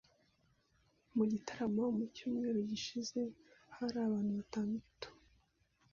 Mu gitaramo mu cyumweru gishize hari abantu batandatu.